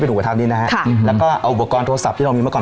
เป็นหัวธรรมนี้นะฮะค่ะแล้วก็เอาอุปกรณ์โทรศัพท์ที่เรามีมาก่อน